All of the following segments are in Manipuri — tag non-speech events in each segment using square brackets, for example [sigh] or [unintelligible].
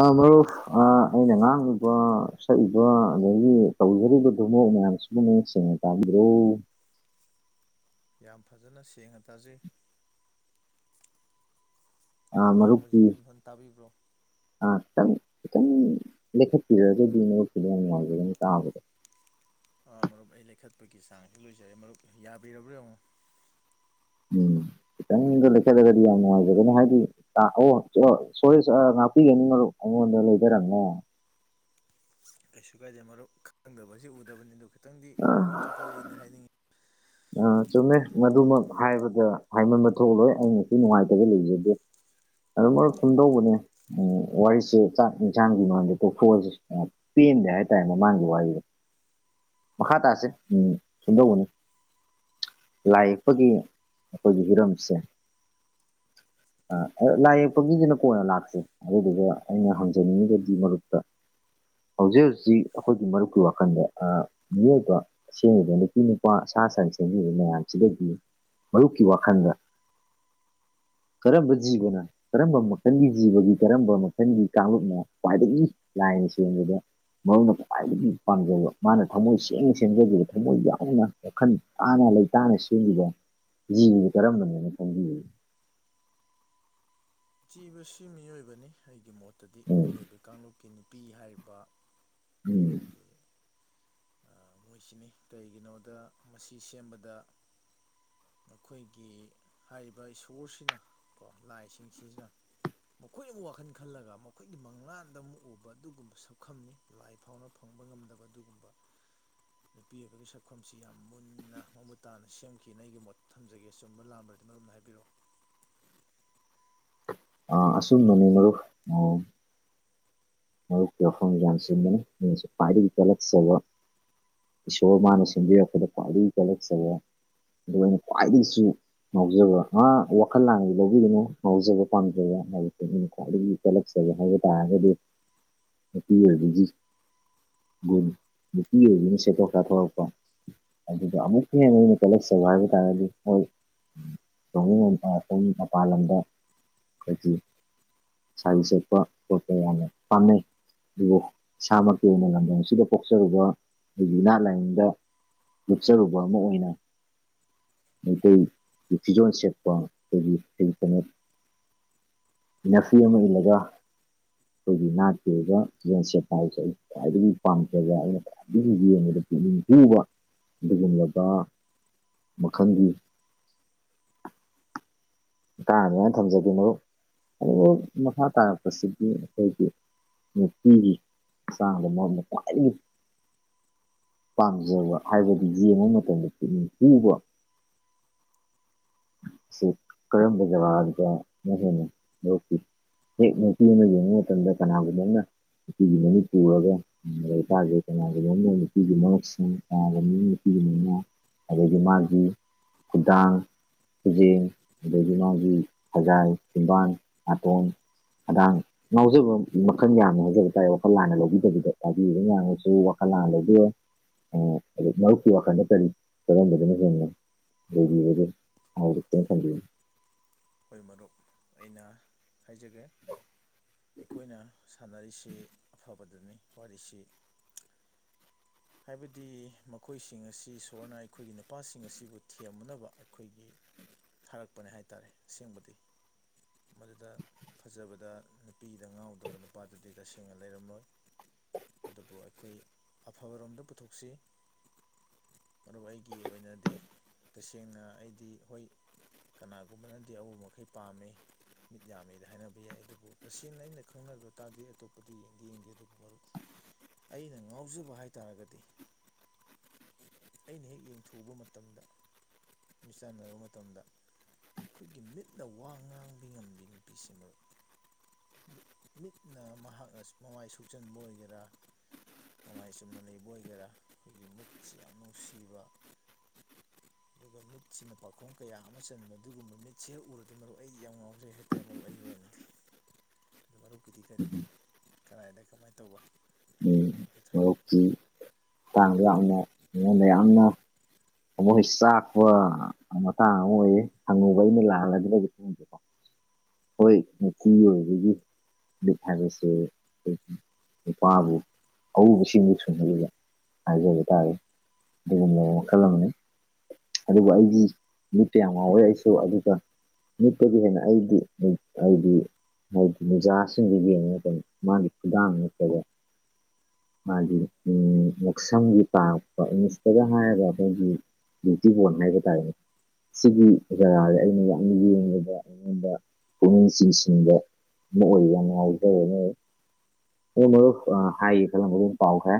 ꯑ ꯃꯔꯨ ꯑ ꯍꯜꯂꯣ ꯑꯩꯅ ꯉꯥꯡ ꯁꯛꯂꯤꯏꯕ ꯑꯗꯒꯤ ꯇꯧꯖꯔꯤꯕꯗꯨ ꯃꯣꯛ ꯃꯌꯥꯝꯁꯤꯕꯨ ꯃꯌꯦꯛ ꯁꯦꯡꯅ ꯇꯥꯕꯤꯔꯣ [unintelligible] ꯌꯥꯝ ꯐꯖꯅ ꯁꯦꯡꯅ ꯇꯥꯖꯩ ꯑ ꯑꯩꯅ ꯃꯔꯨꯞꯀꯤ ꯉꯥꯡꯕꯁꯤꯗꯤ ꯑꯗꯨꯝ ꯐꯖꯅ ꯇꯥꯕꯤꯕ꯭ꯔꯣ ꯑ ꯆꯪꯉ ꯈꯤꯇꯪ ꯂꯦꯈꯠꯄꯤꯔꯒꯗꯤ ꯅꯣꯛꯈꯤꯕꯗ ꯌꯥꯝ ꯅꯨꯡꯉꯥꯏꯖ ꯑꯗꯨꯅ ꯇꯥꯕꯗꯣ ꯥ ꯃꯔꯨꯞ ꯑꯩ ꯂꯩꯈꯠꯄꯒꯤ ꯆꯥꯡꯁꯨ ꯂꯣꯏꯖꯔꯦ ꯃꯔꯨꯞ ꯌꯥꯕꯤꯔꯕ꯭ꯔꯥ ꯌꯦꯡꯉꯣ ꯎꯝ ꯈꯤꯇꯪꯗꯣ ꯂꯩꯆꯠꯂꯒꯗꯤ ꯌꯥꯝ ꯅꯨꯡꯉꯥꯏꯖꯒꯅꯤ ꯍꯥꯏꯗꯤ ꯑꯣ ꯁꯦ ꯉꯥꯛꯄꯤꯒꯅꯤꯉꯣ ꯋꯥꯦꯂ ꯇꯔꯃꯦ ꯀꯩꯁꯨ ꯀꯥꯏꯗꯦ ꯃꯔꯨꯞ ꯈꯪꯗꯕꯁꯤ ꯎꯗꯕꯅꯤ ꯑꯗꯨ ꯈꯤꯇꯪꯗꯤ ꯃꯤꯠ ꯊꯛꯀꯠꯂꯦꯅ ꯍꯥꯏꯅꯤꯡꯏꯤ ꯑ ꯆꯨꯝꯃꯦ ꯃꯗꯨꯃꯛ ꯍꯥꯏꯕꯗ ꯍꯥꯏꯃꯟꯕ ꯊꯣꯛꯂꯣꯏ ꯑꯩ ꯉꯁꯨ ꯅꯨꯡꯉꯥꯏꯇꯒ ꯂꯩꯖꯗꯦ ꯑꯗꯨ ꯃꯔꯛ ꯁꯨꯝꯗꯧꯕꯅꯦ ꯎ ꯋꯥꯔꯤꯁꯦ ꯆꯥꯛ ꯏꯟꯁꯥꯡꯒꯤ ꯃꯔꯗ ꯇꯣꯛꯊꯣꯛꯑꯁꯤ ꯄꯦꯟꯗꯦ ꯍꯥꯏꯇꯥꯔꯦ ꯃꯃꯥꯡꯒꯤ ꯋꯥꯔꯤꯍꯗ ꯃꯈꯥ ꯇꯥꯁꯦ ꯎꯝ ꯁꯦꯝꯗꯧꯕꯅꯤ ꯂꯥꯏ ꯌꯦꯛꯄꯒꯤ ꯑꯩꯈꯣꯏꯒꯤ ꯍꯤꯔꯝꯁꯦ ꯂꯥꯏ ꯌꯦꯛꯄ ꯃꯤꯗꯨꯅ ꯀꯣꯟꯅ ꯂꯥꯛꯁꯦ ꯑꯗꯨꯗꯨꯒ ꯑꯩꯅ ꯍꯪꯖꯅꯤꯡꯉꯤꯕꯗꯤ ꯃꯔꯨꯞꯛꯇ ꯍꯧꯖꯤꯛ ꯍꯧꯖꯤꯛ ꯑꯩꯈꯣꯏꯒꯤ ꯃꯔꯨꯞꯀꯤ ꯋꯥꯈꯜꯗ ꯃꯤꯑꯣꯏꯕ ꯑꯁꯦꯡꯉꯕ ꯅꯨꯄꯤ ꯅꯨ ꯁꯥ ꯁꯟ ꯁꯦꯝꯕꯤꯕ ꯃꯌꯥꯝꯁꯤꯗꯒꯤ ꯃꯔꯨꯞꯀꯤ ꯋꯥꯈꯜꯗ ꯀꯔꯝꯕ ꯖꯤꯕꯅ ꯀꯔꯝꯕ ꯃꯈꯜꯒꯤ ꯖꯤꯕꯒꯤ ꯀꯔꯝꯕ ꯃꯈꯜꯒꯤ ꯀꯥꯡꯂꯨꯞꯅ ꯈ꯭ꯋꯥꯏꯗꯒꯤ ꯂ [unintelligible] ꯃꯔꯨꯅ ꯈ꯭ꯋꯥꯏꯗꯒꯤ ꯄꯥꯝꯖꯕ ꯃꯥꯅ ꯊꯝꯃꯣꯏ ꯁꯦꯡꯅ ꯁꯦꯝꯖꯈꯤꯕ ꯊꯃꯣꯏ ꯌꯥꯎꯅ ꯋꯥꯈꯜ ꯇꯥꯅ ꯂꯩꯇꯥꯅ ꯁꯦꯝꯕ ꯖꯤꯕꯗꯨ ꯀꯔꯝꯕꯅꯦꯅ ꯈꯪꯕꯤꯌꯦ ꯖꯤꯕꯁꯤ ꯃꯤꯑꯣꯏꯕꯅꯤ ꯑꯩꯒꯤ ꯃꯣꯠꯇꯗꯤ ꯎꯝ ꯃꯤꯑꯣꯏꯕ ꯀꯥꯡꯂꯨꯞꯀꯤ ꯅꯨꯄꯤ ꯍꯥꯏꯔꯤꯕ ꯎꯝ ꯑꯩꯈꯣꯏꯒꯤ ꯃꯣꯏꯁꯤꯅꯤ ꯀꯩꯒꯤꯅꯣꯗ ꯃꯁꯤ ꯁꯦꯝꯕꯗ ꯑꯩꯈꯣꯏꯒꯤ ꯍꯥꯏꯔꯤꯕ ꯏꯁꯣꯔꯁꯤꯅ ꯀꯣ ꯂꯥꯏꯁꯤꯡꯁꯤꯁꯤꯅ ꯃꯈꯣꯏꯅ ꯑꯃꯨꯛ ꯋꯥꯈꯜ ꯈꯜꯂꯒ ꯃꯈꯣꯏꯒꯤ ꯃꯪꯂꯥꯟꯗ ꯑꯃꯨꯛ ꯎꯕ ꯑꯗꯨꯒꯨꯝꯕ ꯁꯛꯐꯝꯝꯅꯤ ꯂꯥꯏ ꯐꯥꯎꯅ ꯐꯪꯕ ꯐꯪꯕ ꯉꯝꯗꯕ ꯑꯗꯨꯒꯨꯝꯕ ꯅꯨꯄꯤ ꯑꯣꯏꯕꯒꯤ ꯁꯛꯐꯝꯁꯤ ꯌꯥꯝ ꯃꯨꯟꯅ ꯃꯃꯨꯠ ꯇꯥꯅ ꯁꯦꯝꯈꯤꯅ ꯑꯩꯒꯤ ꯃꯣꯠ ꯊꯝꯖꯒꯦ ꯑ ꯆꯨꯝꯕ ꯂꯥꯥꯟꯕꯗ ꯃꯔꯣꯝꯅ ꯍꯥꯏꯕꯤꯔꯛꯑꯣ [unintelligible] ꯑ ꯑꯁꯨꯝ ꯅꯅꯦꯅꯣ ꯎ ꯀꯐꯁꯤꯔ ꯀꯂ ꯁꯕ ꯏꯁꯣꯔ ꯃꯥꯅ ꯁꯦꯝꯕꯤꯔꯛꯄꯗ ꯈ꯭ꯋꯥꯏꯗꯒꯤ ꯋꯥꯠꯂꯛꯆꯕ ꯑꯗꯨꯒ ꯑ ꯑꯣꯏꯅ ꯈ꯭ꯋꯥꯏꯗꯒꯤꯁꯨ ꯉꯥꯎꯖꯕ ꯑ ꯋꯥꯈꯜ ꯂꯥꯡꯗꯤ ꯂꯧꯕꯤꯒꯅꯨ ꯉꯥꯎꯖꯕ ꯄꯥꯝꯖꯕ ꯍꯥꯏꯀꯣꯂꯦ ꯐꯒꯦ ꯍꯥꯏꯕ ꯇꯥꯔꯒꯗꯤ ꯅꯨꯄꯤ ꯑꯣꯏꯕꯤꯁꯤ ꯁꯦꯇ ꯀꯇꯔꯄ ꯑꯗꯨꯗ ꯑꯃꯨꯛꯀ ꯍꯦꯟꯅ ꯑꯩꯅ ꯀꯂꯁꯕ ꯍꯥꯏꯕ ꯇꯥꯔꯒꯗꯤ ꯍꯣꯏ ꯁ ꯁꯨꯝ ꯃꯄꯥꯟ ꯂꯝꯗ ꯀ ꯆꯍꯤ ꯆꯄ ꯌꯥꯦ ꯐꯦ ꯑꯗꯨꯕꯨ ꯏꯁꯥꯃꯛꯀꯤ ꯑꯣꯏꯅ ꯂꯝꯗꯝꯁꯤꯗ ꯄꯣꯛꯆꯔꯨꯕ ꯑꯩꯒꯤ ꯏꯅꯥ ꯂꯥꯏꯌꯦꯡꯗ ꯂꯨꯞꯆꯔꯨꯕ ꯑꯃ ꯑꯣꯏꯅ ꯀ ꯐꯤꯖꯣꯟ ꯁꯦꯠꯄ ꯅꯁꯤ ꯑꯃ ꯏꯂꯒ ꯑꯩꯈꯣꯏꯒꯤ ꯅꯥꯠꯀꯤꯦꯒ ꯁꯦꯄꯥꯏꯁꯦ ꯑꯩ ꯈ꯭ꯋꯥꯏꯗꯒꯤ ꯄꯥꯝꯖꯕ ꯑꯩꯅ ꯈ꯭ꯋꯥꯏꯗꯒꯤ ꯌꯦꯡꯉꯗ ꯛꯅꯤꯡ ꯍꯨꯕ ꯑꯗꯨꯒꯨꯝꯂꯕ ꯃꯈꯪꯒꯤ ꯇꯥꯅꯤꯅ ꯊꯝꯖꯒꯦꯅ ꯑꯗꯨꯕꯨ ꯃꯈꯥ ꯇꯥꯔꯛꯄꯁꯤꯗꯤ ꯑꯩꯈꯣꯏꯒꯤ ꯅꯨꯄꯤꯒꯤ ꯍꯛꯆꯥꯡꯗ ꯑꯃꯄꯥꯥꯏ ꯄꯥꯝꯖꯕ ꯍꯥꯏꯕꯗꯤ ꯌꯦꯡꯕ ꯃꯇꯝꯗ ꯄꯨꯛꯅꯤꯡ ꯍꯨꯕ [unintelligible] ꯁꯤ ꯀꯔꯝꯕ ꯖꯒꯥꯗꯗ ꯃꯁꯤ ꯌꯣꯛ ꯃꯅ ꯌꯦꯡꯉ ꯇꯟꯗ ꯀꯅꯥꯒꯗꯅ ꯅꯨꯄꯤꯒꯤ ꯃꯃꯤ ꯄꯨꯔꯒ ꯂꯩꯀꯗꯦ ꯀꯅꯥꯒꯤꯨꯝꯅꯣꯅ ꯅꯨꯄꯤꯒꯤ ꯃꯔ ꯀꯅꯥꯒ ꯅꯨꯄꯤ ꯅ ꯑꯗꯒꯤ ꯃꯥꯒꯤ ꯈꯨꯗꯥꯡ ꯈꯨꯖꯦꯡ ꯑꯗꯒꯤ ꯃꯥꯒꯤ ꯁꯖꯥꯏ ꯇꯦꯡꯕꯥꯟ ꯅꯥꯇꯣꯡ ꯑꯗꯥꯡ ꯉꯥꯎꯖꯕ ꯃꯈꯜ ꯃꯌꯥꯝꯅ ꯉꯥꯎꯖꯕ ꯇꯥꯔꯦ ꯋꯥꯈꯜ ꯂꯥꯟꯅ ꯂꯧꯕꯤꯗꯕꯤꯗꯣ ꯇꯥꯕꯤꯕ ꯃꯌꯥꯝꯒꯁꯨ ꯋꯥꯈꯜ ꯂ ꯂꯩꯕꯤ ꯑ ꯑ ꯃꯔꯨꯞꯀꯤ ꯋꯥꯈꯜꯗꯠꯇꯔꯤ ꯀꯔꯝꯕꯗꯨꯅ ꯍꯅ ꯂꯩꯔꯤꯕꯒꯦ ꯑꯠꯇ ꯀꯦ ꯍꯈꯣꯏ ꯃꯔꯨꯞ ꯑꯩꯅ ꯍꯥꯏꯖꯒꯦ ꯑꯩꯈꯣꯏꯅ ꯁꯥꯟꯅꯔꯤꯁꯤ ꯑꯐꯕꯗꯨꯅꯤ ꯋꯥꯔꯤꯁꯤ ꯍꯥꯏꯕꯗꯤ ꯃꯈꯣꯏꯁꯤꯡ ꯑꯁꯤ ꯏꯁꯣꯔꯅ ꯑꯩꯈꯣꯏꯒꯤ ꯅꯨꯄꯥꯁꯤꯡ ꯑꯁꯤꯕꯨ ꯊꯦꯝꯅꯅꯕ ꯑꯩꯈꯣꯏꯒꯤ ꯊꯥꯔꯛꯄꯅꯦ ꯍꯥꯏꯇꯥꯔꯦ ꯑꯁꯦꯡꯕꯗꯤ ꯃꯗꯨꯗ ꯐꯖꯕꯗ ꯅꯨꯄꯤꯗ ꯉꯥꯎꯗꯕ ꯅꯨꯄꯥꯗꯨꯗꯤ ꯇꯁꯦꯡꯅ ꯂꯩꯔꯝꯂꯣꯏ ꯑꯗꯨꯕꯨ ꯑꯩꯈꯣꯏ ꯑꯐꯕꯔꯣꯝꯗ ꯄꯨꯊꯣꯛꯁꯤ ꯑꯗꯨ ꯑꯩꯒꯤ ꯑꯣꯏꯅꯗꯤ ꯇꯁꯦꯡꯅ ꯑꯩꯗꯤ ꯍꯣꯏ ꯀꯅꯥꯒꯨꯝꯕꯅꯗꯤ ꯑꯎ ꯃꯈꯩ ꯄꯥꯝꯃꯤ ꯃꯤꯠ ꯌꯥꯝꯃꯦꯗ ꯍꯥꯏꯅꯕ ꯌꯥꯏ ꯑꯗꯨꯕꯨ ꯇꯁꯦꯡꯅ ꯑꯩꯅ ꯈꯪꯅꯕ ꯇꯥꯔꯗꯤ ꯑꯇꯣꯞꯄꯗꯤ ꯌꯦꯡꯗꯦ ꯌꯦꯡꯗꯦ ꯑꯗꯨꯕꯨ ꯃꯔꯨꯞ ꯑꯩꯅ ꯉꯥꯎꯖꯕ ꯍꯥꯏꯇꯥꯥꯔꯒꯗꯤ ꯑꯩꯅ ꯍꯦꯛ ꯌꯦꯡꯊꯣꯛꯕ ꯃꯇꯝꯗ ꯃꯤꯆꯥꯟꯅꯔꯕ ꯃꯇꯝꯗ ꯑꯩꯈꯣꯏꯒꯤ ꯃꯤꯠꯅ ꯋꯥ ꯉꯥꯡꯕ ꯉꯝꯕꯤ ꯅꯨꯄꯤꯁꯦ ꯃꯔꯨꯞ ꯃꯤꯠꯅ ꯃꯍꯥꯛꯅ ꯃꯃꯥꯏ ꯁꯨꯆꯟꯕ ꯑꯣꯏꯒꯦꯔꯥ ꯃꯃꯥꯏ ꯆꯨꯝꯅ ꯂꯩꯕ ꯑꯣꯏꯒꯦꯔꯥ ꯑꯩꯈꯣꯏꯒꯤ ꯃꯤꯠꯁꯤ ꯌꯥꯝ ꯅꯨꯡꯁꯤꯕ [inaudible] ꯑꯗꯨꯒ ꯃꯤꯠꯁꯤꯅ ꯄꯥꯈꯣꯡ ꯀꯌꯥ ꯑꯃ ꯆꯟꯕ ꯑꯗꯨꯒꯨꯝꯕ ꯃꯤꯠꯁꯦ ꯍꯦꯛ ꯎꯔꯗꯤ ꯃꯔꯨꯞ ꯑꯩ ꯌꯥꯝ ꯉꯥꯎꯖꯩ ꯍꯥꯏꯇꯥꯔꯦ ꯃꯔꯨꯞ ꯑꯩꯒꯤ [inaudible] ꯑꯗꯨ ꯃꯔꯨꯞꯀꯤꯗꯤ ꯀꯔꯤ ꯀꯔꯥꯏꯗ ꯀꯃꯥꯏꯅ ꯇꯧꯕ ꯍꯥꯏꯐꯦꯠ ꯊꯝ ꯍꯧꯣꯛꯛꯀꯤ ꯃꯇꯥꯡꯗ ꯌꯥꯝꯅ ꯑꯩꯉꯣꯟꯗ ꯌꯥꯝꯅ ꯃꯣꯏ ꯆꯥꯛꯄ ꯃꯇꯥꯡ ꯑꯃ ꯑꯣꯏꯌꯦ ꯍꯪꯉꯨꯕ ꯑꯩꯅ ꯂꯥꯛꯍꯜꯂꯗꯤ ꯂꯩꯁꯦꯀꯣ ꯍꯣꯏ ꯉ ꯑꯣꯏꯕꯒꯤ ꯒꯦꯁꯦꯄꯥ ꯑ ꯆꯤꯟ ꯁꯨꯕꯤꯗ ꯍꯥꯏꯖꯕ ꯇꯥꯔꯦ ꯑꯗꯨꯒꯨꯝꯂꯕ ꯃꯈꯜ ꯑꯃꯅꯤ ꯑꯗꯨꯕꯨ ꯑꯩꯒꯤ ꯃꯤꯠꯇꯌꯥꯝ ꯉꯥꯎꯋꯦ ꯑꯩꯁꯨ ꯑꯗꯨꯒ ꯅꯨꯄꯗꯤ ꯍꯦꯅꯗꯤꯗꯤ ꯍꯥꯏꯗꯤ ꯖꯥꯁꯤꯡꯗꯨꯒꯤꯉ ꯑꯗꯨ ꯃꯥꯒꯤ ꯈꯨꯗꯥꯉꯠꯇꯕ ꯃꯥꯗꯤ ꯉꯁꯝꯒꯤ ꯇꯥꯔꯛꯄ ꯏꯪꯂꯤꯁꯇꯗ ꯍꯥꯏꯔꯒ ꯑꯩꯈꯣꯏꯒꯤ ꯇꯤ ꯄꯣꯟ ꯍ ꯍꯥꯏꯕ ꯇꯥꯔꯦꯅꯤ ꯁꯤꯒꯤ ꯖꯒꯥꯥꯥꯁꯦ ꯑꯩꯅ ꯌꯥꯝ ꯌꯦꯡꯕ ꯑꯩꯉꯣꯟꯕ ꯄꯨꯛꯅꯤꯡ ꯆꯤꯡꯁꯤꯟꯕ ꯑꯣꯏꯕꯅꯅꯨꯡꯉꯥꯏꯁꯦ ꯅ ꯃꯔ ꯍꯥꯏꯒꯦ ꯈꯜꯂꯝꯕ ꯑꯗꯨ ꯄꯥꯎꯍꯦ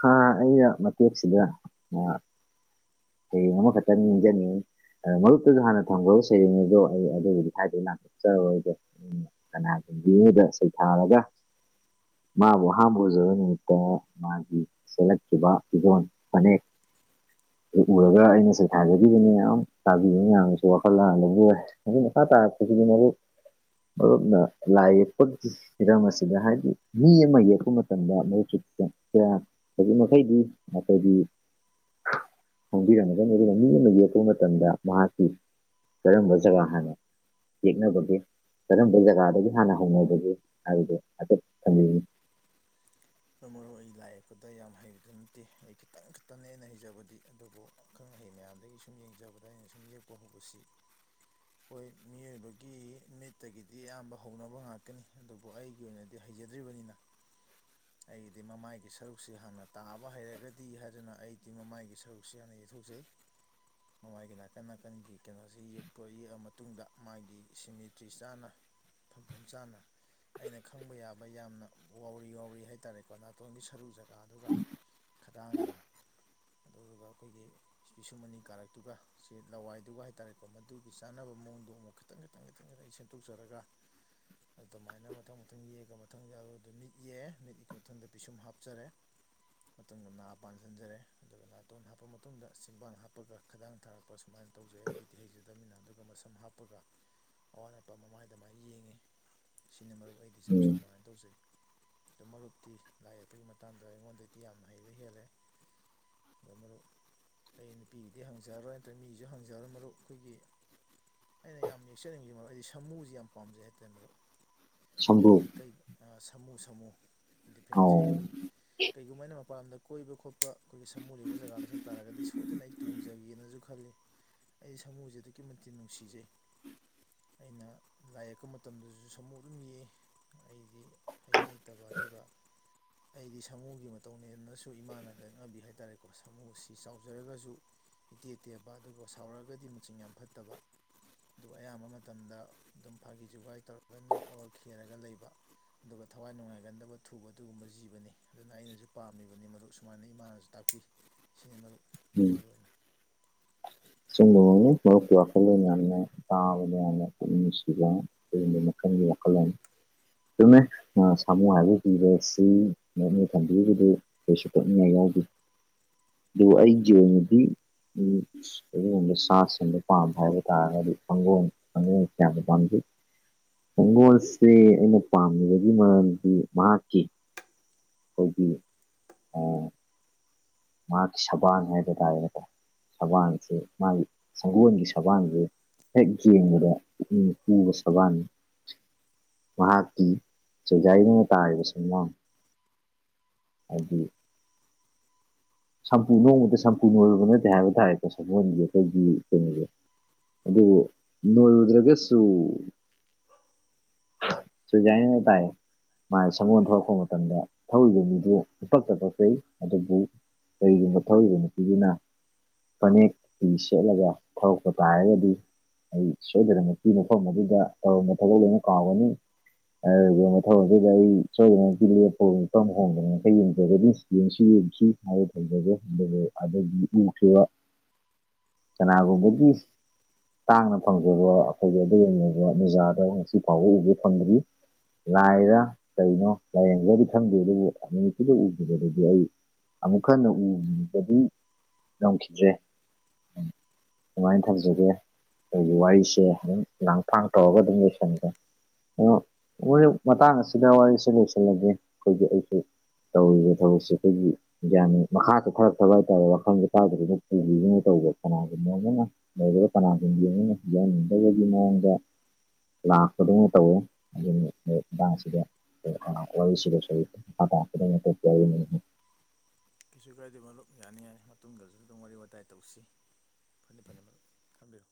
ꯍ ꯑꯩꯅ ꯃꯇꯦꯛꯁꯤꯗ ꯌꯥꯝꯃ ꯈꯛꯇꯅꯤ ꯏꯟꯖꯅꯤ ꯑꯣ ꯃꯔꯨꯞꯛꯇꯨꯁꯨ ꯍꯥꯟꯅ ꯊꯝꯈꯈꯤꯕ ꯁꯩꯔꯦꯡ ꯑꯗꯣ ꯑꯩ ꯑꯗꯨꯒꯤꯗꯤ ꯍꯥꯏꯗꯤꯗꯤ ꯂꯥꯛꯊꯣꯛꯆꯔꯣꯏꯒꯦ ꯀꯅꯥ ꯉꯗ ꯁꯩꯊꯥꯔꯒ ꯃꯥ ꯋꯥ ꯍꯥꯝꯕꯣꯖ ꯅꯨꯃꯤꯠꯇ ꯃꯥꯒꯤ ꯁꯦꯂꯀꯤꯈꯤꯕ ꯏꯟ ꯐꯅꯦꯦꯛ [unintelligible] ꯑꯗꯨ ꯎꯔꯒ ꯑꯩꯅꯁꯨ ꯊꯥꯖꯕꯤꯕꯅꯦ ꯌꯥꯝ ꯇꯥꯕꯤꯕ ꯃꯌꯥꯝꯅꯁꯨ ꯋꯥꯈꯜ ꯂꯥꯟꯅ ꯂꯧꯧꯕ ꯌꯥꯔꯦ ꯑꯗꯨ ꯃꯈꯥ ꯇꯥꯔ ꯇꯒꯤ ꯃꯣꯔꯨ ꯃꯔꯨꯞꯅ ꯂꯥꯏ ꯌꯦꯛꯄꯒꯤ ꯍꯤꯔꯝ ꯑꯁꯤꯗ ꯍꯥꯏꯕꯗꯤ ꯃꯤ ꯑꯃ ꯌꯦꯛꯄ ꯃꯇꯝꯗ ꯃ ꯍꯧꯖꯤꯛ ꯃꯈꯩꯗꯤ ꯑꯩꯈꯣꯏꯗꯤ ꯈꯪꯕꯤꯔꯝꯒꯅꯤ ꯑꯗꯨꯒ ꯃꯤ ꯑꯃ ꯌꯦꯛꯄ ꯃꯇꯝꯗ ꯃꯍꯥꯛꯀꯤ ꯀꯔꯝꯕ ꯖꯒꯥ ꯍꯥꯟꯅ ꯌꯦꯅꯕꯗꯤ ꯀꯔꯝꯕ ꯖꯒꯥꯗꯒꯤ ꯍꯥꯟꯅ ꯍꯧꯅꯕꯒꯦ ꯍꯥꯏꯗꯣ ꯍꯥꯏꯐ ꯊꯝꯕꯤ ꯃꯔ ꯃꯔꯨ ꯑꯩ ꯂꯥꯏ ꯌꯦꯛꯄꯗ ꯌꯥꯝ ꯍꯩꯕꯗꯨ ꯅꯠꯇꯦ ꯑꯩ ꯈꯤꯇꯪ ꯈꯛꯇꯅꯦꯩꯅ ꯍꯩꯖꯕꯗꯤ ꯑꯗꯨꯕꯨꯪ ꯃꯍꯩ ꯃꯌꯥꯝꯗꯒꯤ ꯁꯨꯝ ꯌꯦꯡꯖꯕꯗ ꯑꯩꯅ ꯁꯨꯝ ꯌꯦꯛꯄ ꯍꯧꯕꯁꯤ ꯍꯣꯏ ꯃꯤꯑꯣꯏꯕꯒꯤ ꯃꯤꯠꯇꯒꯤꯗꯤ ꯑꯌꯥꯝꯕ ꯍꯧꯅꯕ ꯉꯥꯛꯀꯅꯤ ꯑꯗꯨꯕꯨ ꯑꯩꯒꯤ ꯑꯣꯏꯅꯗꯤ ꯍꯩꯖꯗ꯭ꯔꯤꯕꯅꯤꯅ [unintelligible] ꯑꯩꯒꯤꯗꯤ ꯃꯃꯥꯏꯒꯤ ꯁꯔꯨꯛꯁꯤ ꯍꯥꯟꯅ ꯇꯥꯕ ꯍꯩꯔꯒꯗꯤ ꯍꯥꯏꯗꯨꯅ ꯑꯩꯗꯤ ꯃꯃꯥꯏꯒꯤ ꯁꯔꯨꯛꯁꯤ ꯍꯥꯟꯅ ꯌꯊꯣꯛꯆꯩ [unintelligible] ꯃꯃꯥꯏꯒꯤ ꯅꯥꯀꯟ ꯅꯥꯀꯟꯒꯤ ꯀꯩꯅꯣꯁꯤ ꯌꯦꯛꯄ ꯌꯦꯛꯑ ꯃꯇꯨꯡꯗ ꯃꯥꯒꯤ ꯁꯤꯃꯦꯇ꯭ꯔꯤ ꯆꯥꯅ ꯐꯝꯐꯝ ꯆꯥꯅ ꯑꯩꯅ ꯈꯪꯕ ꯌꯥꯕ ꯌꯥꯝꯅ ꯋꯥꯎꯔꯤ ꯋꯥꯎꯔꯤ ꯍꯥꯏ ꯍꯥꯏꯇꯥꯔꯦꯀꯣ ꯅꯥꯇꯣꯟꯒꯤ ꯁꯔꯨ ꯖꯒꯥꯗꯨꯒ ꯈꯗꯥꯡꯒ ꯑꯗꯨꯗꯨꯒ ꯑꯩꯈꯣꯏꯒꯤ ꯄꯁꯨꯃꯅꯤ ꯀꯥꯔꯛꯇꯨꯒ ꯁꯤ ꯂꯋꯥꯏꯗꯨꯒ ꯍꯥꯏꯇꯥꯔꯦꯀꯣ ꯃꯗꯨꯒꯤ ꯆꯥꯟꯅꯕ ꯃꯑꯣꯡꯗꯣ ꯑꯃꯨꯛ ꯈꯤꯇꯪ ꯈꯤꯇꯪ ꯈꯤꯇꯪ ꯈꯤꯇꯪ ꯁꯦꯡꯗꯣꯛꯆꯔꯒ ꯑꯗꯨꯃꯥꯏꯅ ꯃꯊꯪ ꯃꯊꯪ ꯌꯦꯛꯑꯒ ꯃꯊꯪ ꯌꯥꯂꯨꯔꯗ ꯃꯤꯠ ꯌꯦ ꯃꯤꯠ ꯃꯊꯪꯗ ꯄꯤꯁꯨꯝ ꯍꯥꯞꯆꯔꯦ ꯃꯇꯨꯡꯗ ꯅꯥ ꯄꯥꯟꯁꯤꯟꯖꯔꯦ ꯑꯗꯨꯒ ꯅꯥꯇꯣꯟ ꯍꯥꯞꯄ ꯃꯇꯨꯡꯗ ꯁꯤꯟꯕꯥꯡ ꯍꯥꯞꯄꯒ ꯈꯗꯥꯡ ꯊꯥꯔꯛꯄ ꯁꯨꯃꯥꯏꯅ ꯇꯧꯖꯩ ꯑꯩꯒꯤꯗꯤ ꯍꯩꯖꯗꯃꯤꯅ ꯑꯗꯨꯒ ꯃꯁꯝ ꯍꯥꯞꯄꯒ ꯑꯋꯥꯠ ꯑꯄꯥ ꯃꯃꯥꯏ ꯑꯗꯨꯃꯥꯏꯅ ꯌꯦꯡꯉꯤ ꯁꯤꯅ ꯃꯔꯨꯞ ꯑꯩꯗꯤ ꯏꯁꯝ ꯎꯝ ꯁꯝ ꯍꯥꯏꯥꯏꯅ ꯇꯧꯖꯩ ꯑ ꯃꯔꯨꯞ ꯤ ꯂꯥꯏ ꯌꯦꯛꯄꯒꯤ ꯃꯇꯥꯡꯗ ꯑꯩꯉꯣꯟꯗꯗꯤ ꯌꯥꯝꯅ ꯍꯩꯕ ꯍꯦꯜꯂꯦ ꯑ ꯃꯔꯨꯞ ꯑꯩ ꯅꯨꯄꯤꯒꯤꯗꯤ ꯍꯪꯖꯔꯣꯏ ꯅꯠꯇ꯭ꯔꯒ ꯃꯤꯒꯤꯁꯨ ꯍꯪꯖꯔꯣꯏ ꯃꯔꯨꯞ ꯑꯩꯈꯣꯏꯒꯤ ꯑꯩꯅ ꯌꯥꯝ ꯌꯦꯛꯆꯅꯤꯡꯁꯤ ꯃꯔ ꯑꯩꯗꯤ ꯁꯃꯨꯁꯤ ꯌꯥꯝ ꯄꯥꯝꯖꯩ ꯍꯥꯏꯇꯥꯔꯦ ꯃꯔꯨꯞ ꯁꯝꯕ꯭ꯔꯨ ꯍꯥꯏꯗꯤ ꯀꯩ ꯁꯥꯃꯨ ꯁꯥꯃꯨ ꯏ ꯗꯤꯐ꯭ꯔꯦꯟꯁꯦ ꯑꯧ ꯑꯩꯈꯣꯏ ꯀꯩꯒꯨꯝꯕ ꯑꯩꯅ ꯃꯄꯥꯟ ꯂꯝꯗ ꯀꯣꯏꯕ ꯈꯣꯠꯄ ꯑꯩꯈꯣꯏꯒꯤ ꯁꯥꯃꯨ ꯂꯩꯕ ꯖꯒꯥꯗ ꯆꯠ ꯇꯥꯔꯒꯗꯤ ꯁꯣꯏꯗꯅ ꯑꯩ ꯇꯣꯡꯖꯒꯦꯅꯁꯨ ꯈꯜꯂꯤ ꯑꯩ ꯁꯥꯃꯨꯁꯦ ꯑꯗꯨꯛꯀꯤ ꯃꯇꯤꯛ ꯅꯨꯡꯁꯤꯖꯩ ꯑꯩꯅ ꯂꯥꯏ ꯌꯦꯛꯄ ꯃꯇꯝꯗꯁꯨ ꯁꯥꯃꯨ ꯑꯗꯨꯝ ꯌꯦꯛꯏ ꯑꯩꯗꯤ ꯍꯩꯕ ꯍꯩꯇꯕ ꯑꯗꯨꯒ [unintelligible] ꯑꯩꯗꯤ ꯁꯥꯃꯨꯒꯤ ꯃꯇꯧꯅꯦ ꯑꯗꯨꯅꯁꯨ ꯏꯃꯥꯅ ꯂꯛꯅꯕꯤ ꯍꯥꯏꯇꯥꯔꯦꯀꯣ ꯁꯥꯃꯨ ꯑꯁꯤ ꯆꯥꯎꯖꯔꯒꯁꯨ ꯏꯇꯦ ꯇꯦꯕ ꯑꯗꯨꯒ ꯁꯥꯎꯔꯛꯑꯒꯗꯤ ꯃꯆꯤꯟ ꯌꯥꯝ ꯐꯠꯇꯕ ꯑꯗꯨ ꯑꯌꯥꯝꯕ ꯃꯇꯝꯗ ꯑꯗꯨꯝ ꯐꯥꯒꯤ ꯖꯨꯒꯥꯏ ꯇꯧꯔꯒ ꯅꯣꯛꯑꯒ ꯈꯦꯔꯒ ꯂꯩꯕ ꯑꯗꯨꯒ ꯊꯋꯥꯏ ꯅꯨꯡꯉꯥꯏꯒꯟꯗꯕ ꯊꯨꯕ ꯑꯗꯨꯒꯨꯝꯕ ꯖꯤꯕꯅꯤ ꯑꯗꯨꯅ ꯑꯩꯅꯁꯨ ꯄꯥꯝꯃꯤꯕꯅꯤ ꯃꯔꯨꯞ ꯁꯨꯃꯥꯏꯅ ꯏꯃꯥꯅꯁꯨ ꯇꯥꯛꯄꯤ ꯁꯤꯅꯤ ꯃꯔꯨꯞ ꯑꯩꯒꯤ ꯑꯣꯏꯅ ꯁꯕ ꯃ ꯋꯥ ꯀꯂꯅꯦ ꯇꯥꯕ ꯂꯩꯁꯤ ꯃ ꯋꯥ ꯀꯂ ꯑꯗꯨꯃꯦ ꯁꯥꯃꯨ ꯍꯥꯏꯕ ꯄꯤꯕ ꯁꯤ ꯅꯣꯅꯤ ꯊꯝꯕꯤꯕꯗꯨ ꯀꯩꯁꯨ ꯇꯣꯛꯅꯤꯡꯉ ꯑꯗꯨꯒ ꯑꯩꯖꯤꯕ ꯃꯗꯤ ꯎ ꯑꯗꯨꯒꯨꯝꯕ ꯁꯥꯁꯤꯡꯟꯗ ꯄꯥꯝꯕ ꯍꯥꯏꯕ ꯇꯥꯔꯒꯗꯤ ꯐꯪꯒꯣꯝ ꯀꯥꯡꯪꯒꯣꯝ ꯀꯌꯥꯅ ꯄꯥꯝꯖꯩ ꯍꯤꯡꯒꯣꯜꯁ ꯑꯩꯅ ꯄꯥꯝꯃꯤꯕꯒꯤ ꯃꯔꯝꯗꯤ ꯃꯍꯥꯛꯀꯤ ꯀꯒꯒꯤ ꯃꯥꯒꯤ ꯁꯕꯅ ꯍꯥꯏꯒꯦꯗꯥꯔ ꯁꯕꯥꯟꯁꯦ ꯃꯥꯒꯤ ꯁꯪꯒꯣꯜꯒꯤ ꯁꯕꯥꯟꯁꯦ ꯍꯦꯛꯒꯤꯗꯄꯨꯒ ꯁꯕꯥꯟ ꯃꯍꯥꯛꯀꯤ ꯁꯨꯖꯥꯏꯗꯨꯅ ꯇꯥꯔꯤꯕꯁꯤꯡꯃ ꯑꯗꯨ ꯁꯝꯄꯨ ꯅꯣꯡꯃꯗ ꯁꯝꯄꯨꯅ ꯑꯣꯏꯔꯨꯕ ꯅꯠꯇ ꯍꯥꯏꯕꯗꯥꯔꯦꯀ ꯁꯄꯗꯤꯏꯒꯤ ꯀꯩꯅꯦ ꯑꯗꯨ ꯅꯣꯌꯗ꯭ꯔꯒꯁꯨ ꯁꯨꯖ ꯅ ꯇꯥꯏ ꯃꯥꯒꯤ ꯁꯒꯣꯜ ꯊꯂꯛꯄ ꯃꯇꯝꯗ ꯊꯧꯔꯤꯕ ꯃꯤꯗꯨ ꯏꯇꯛꯇ ꯄꯛꯆꯩ ꯑꯗꯨꯕꯨ ꯀꯔꯤꯒꯨꯝꯕ ꯊꯧꯔꯤꯕ ꯅꯨꯄꯤꯗꯨꯅ ꯐꯅꯦꯛ ꯐꯤ ꯁꯦꯠꯂꯒ ꯊꯔꯛꯄ ꯇꯥꯔꯒꯗꯤ ꯑꯩ ꯁꯣꯏꯗꯔ ꯅꯨꯄꯤ ꯃꯐꯝ ꯑꯗꯨꯗ ꯇꯧꯔꯝꯕ ꯊꯕꯛ ꯂꯣꯏꯅ ꯀꯥꯎꯒꯅꯤ ꯑꯗꯨꯒ ꯃꯧ ꯑꯗꯨꯗ ꯑꯩ ꯁꯣꯏꯗꯅꯀꯤ ꯂꯦꯞꯄ ꯃ ꯍꯣꯡꯗꯅ ꯉꯩ ꯌꯦꯡꯖꯒꯗꯤ ꯌꯦꯡꯁꯤ ꯌꯦꯡꯁꯤ ꯃ ꯐꯩꯖꯒꯦ ꯑꯗꯨꯒ ꯑꯗꯨꯗꯒꯤ ꯅꯨꯡꯈꯤꯕ ꯆꯅꯥꯒꯨꯕ ꯇꯥꯡꯅ ꯐꯪꯖꯕ ꯑꯩꯈꯣꯏꯒꯤ ꯑꯗ ꯌꯦꯡꯉꯕ ꯃꯖꯥꯗ ꯉꯁꯤ ꯐꯥꯎꯕ ꯎꯕ ꯐꯪꯗ꯭ꯔꯤ ꯂꯥꯏꯔ ꯀꯩꯅꯣ ꯂꯥꯏꯌꯦꯡꯒꯗꯤ ꯊꯝꯗꯦ ꯑꯗꯨꯕꯨ ꯅꯨꯃꯤꯠꯇꯨꯗ ꯎꯈꯤꯕꯗꯤ ꯑꯩ ꯑꯃꯨꯛ ꯍꯟꯅ ꯎꯕꯗꯤ ꯉꯝꯈꯤꯗ꯭ꯔꯦ ꯎꯝ ꯑꯗꯨꯃꯥꯏꯅ ꯊꯝꯖꯒꯦ ꯑꯩꯒꯤ ꯋꯥꯔꯤꯁꯦ ꯑꯗꯨꯝ ꯂꯥꯡꯊꯥꯡ ꯇꯧꯔꯒ ꯑꯗꯨꯝ ꯌꯣꯏꯁꯟꯒꯦ ꯑꯗꯣ ꯃꯣꯏ ꯃꯇꯥꯡ ꯑꯁꯤꯗ ꯋꯥꯔꯤꯁꯤ ꯂꯣꯏꯁꯤꯜꯂꯒꯦ ꯑꯩꯈꯣꯏꯒꯤ ꯑꯩꯁꯨ ꯇꯧ ꯊꯁꯦ ꯑꯩꯈꯣꯏꯒꯤ ꯌꯥꯅꯤ ꯃꯈꯥꯁꯨ ꯐꯔꯛꯇꯕ ꯍꯥꯏꯇꯥꯔꯦ ꯋꯥꯈꯐꯝꯁ ꯇꯥꯎꯗ ꯄꯨꯕꯤꯗꯨꯅ ꯇꯧꯕ ꯀꯅꯥꯒꯅ ꯀꯅꯥꯒꯨꯝꯒꯤꯅꯤꯅꯤ ꯌꯥꯅꯤꯡꯗꯕꯒꯤ ꯃꯑꯣꯡꯗ ꯂꯥꯛꯄꯗꯤꯡꯅ ꯇꯧꯋꯤ ꯑꯗꯨ ꯃꯇꯥꯡꯁꯤꯗ ꯋꯥꯔꯤꯁꯤꯗꯁꯨ [unintelligible] ꯀꯩꯁꯨ ꯀꯥꯏꯗꯤ ꯃꯔꯨꯞ ꯌꯥꯅꯤ ꯌꯥꯔꯦ ꯃꯇꯨꯡꯗꯁꯨ ꯑꯗꯨꯝ ꯋꯥꯔꯤ ꯋꯥꯇꯥꯏ ꯇꯧꯁꯤ ꯐꯅꯤ ꯐꯅꯤ ꯃꯝ ꯀꯕꯤꯔꯣ